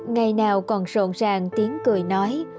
ngày nào còn rộn ràng tiếng cười nói